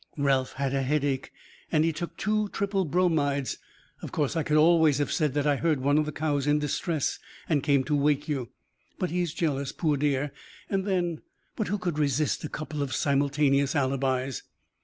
"Ralph had a headache and he took two triple bromides. Of course, I could always have said that I heard one of the cows in distress and came to wake you. But he's jealous, poor dear. And then but who could resist a couple of simultaneous alibis?"